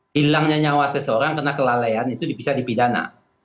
hilangnya nyawa seseorang karena kelalaian itu bisa dipidana